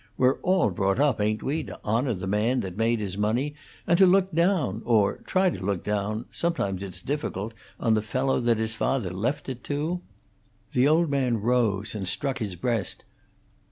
We're all brought up, ain't we, to honor the man that made his money, and look down or try to look down; sometimes it's difficult on the fellow that his father left it to?" The old man rose and struck his breast.